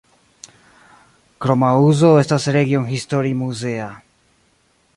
Kroma uzo estas regionhistorimuzea.